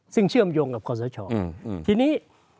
ซึ่งเชื่อมโยงกับคอสชทีนี้